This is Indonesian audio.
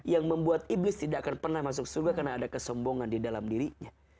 yang membuat iblis tidak akan pernah masuk surga karena ada kesombongan di dalam dirinya